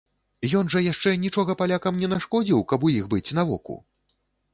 Ён жа яшчэ нічога палякам не нашкодзіў, каб у іх быць на воку?